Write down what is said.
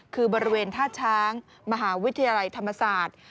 คือบริเวณท่าช้างมหาวิทยาลัยธรรมศาสตร์